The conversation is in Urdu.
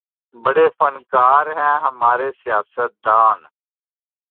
بڑے فنکار ہیں ہمارے سیاستدان